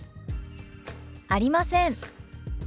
「ありません」。